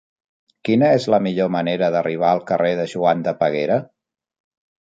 Quina és la millor manera d'arribar al carrer de Joan de Peguera?